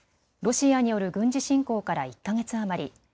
ロシアによる軍事侵攻から１か月余り。